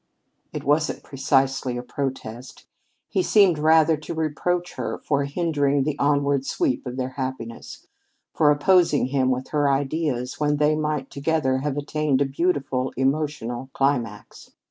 It wasn't precisely a protest. He seemed rather to reproach her for hindering the onward sweep of their happiness for opposing him with her ideas when they might together have attained a beautiful emotional climax.